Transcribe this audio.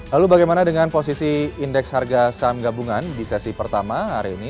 lalu bagaimana dengan posisi indeks harga saham gabungan di sesi pertama hari ini